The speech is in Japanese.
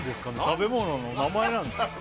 食べ物の名前なんですかね